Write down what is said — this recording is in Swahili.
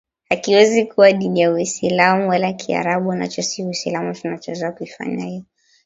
hakiwezi kuwa dini ya uislamu Wala Kiarabu nacho si uislamu Tunachoweza kuifanya hiyo